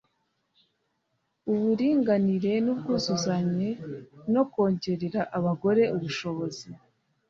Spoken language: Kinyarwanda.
uburinganire n ubwuzuzanye no kongerera abagore ubushobozi